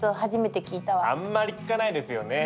あんまり聞かないですよね。